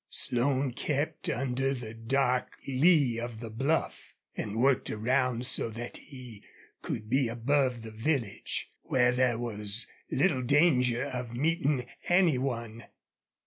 Slone kept under the dark lee of the bluff and worked around so that he could be above the village, where there was little danger of meeting any one.